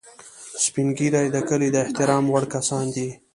سپین ږیری د کلي د احترام وړ کسان دي